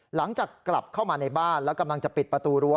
หลังจากกลับเข้ามาในบ้านแล้วกำลังจะปิดประตูรั้ว